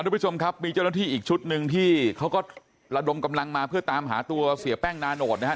ทุกผู้ชมครับมีเจ้าหน้าที่อีกชุดหนึ่งที่เขาก็ระดมกำลังมาเพื่อตามหาตัวเสียแป้งนาโนตนะครับ